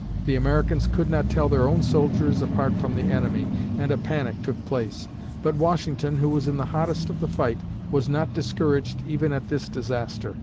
The Americans could not tell their own soldiers apart from the enemy and a panic took place. But Washington, who was in the hottest of the fight, was not discouraged even at this disaster.